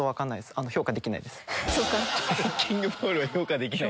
トレッキングポールは評価できない。